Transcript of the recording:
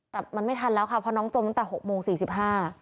แต่มันไม่ทันแล้วค่ะเพราะน้องจมตั้งแต่หกโมงสี่สิบห้า